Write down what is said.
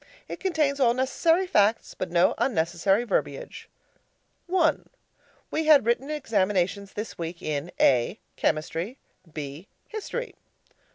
It contains all necessary facts, but no unnecessary verbiage. I. We had written examinations this week in: A. Chemistry. B. History.